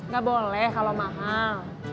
gak boleh kalau mahal